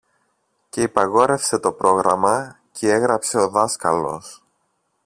Και υπαγόρευσε το πρόγραμμα, κι έγραψε ο δάσκαλος